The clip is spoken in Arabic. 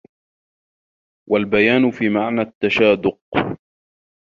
وَالْبَيَانُ فِي مَعْنَى التَّشَادُقِ